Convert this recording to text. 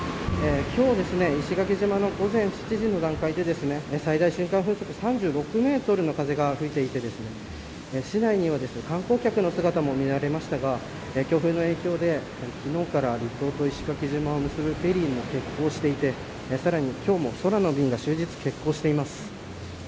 今日、石垣島の午前７時の段階で最大瞬間風速３６メートルの風が吹いていて市内には観光客の姿も見られましたが強風の影響で昨日から離島と石垣島を結ぶフェリーも欠航していて今日も３便が終日欠航しています。